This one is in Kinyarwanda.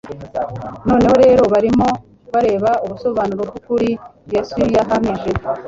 Noneho rero barimo bareba ubusobanuro bw'ukuri Yesu yahamije: